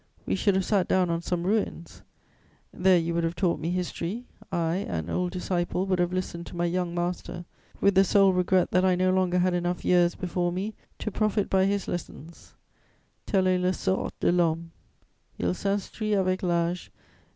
We should have sat down on some ruins: there you would have taught me history; I, an old disciple, would have listened to my young master with the sole regret that I no longer had enough years before me to profit by his lessons: Tel est le sort de l'homme: il s'instruit avec l'âge.